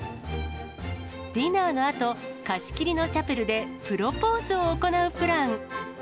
ディナーのあと、貸し切りのチャペルでプロポーズを行うプラン。